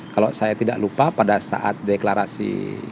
kalau saya tidak lupa pada saat deklarasi